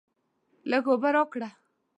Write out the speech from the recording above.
لږ اوبه راکړه.